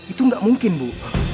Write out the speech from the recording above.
itu gak mungkin bu